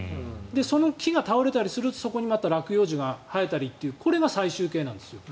その木が倒れたりするとそこにまた落葉樹が生えたりっていうこれが最終形なんです。